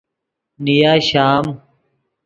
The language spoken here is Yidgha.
نیا شام